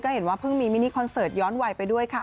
เห็นว่าเพิ่งมีมินิคอนเสิร์ตย้อนวัยไปด้วยค่ะ